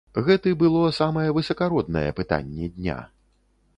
Гэты было самае высакароднае пытанне дня.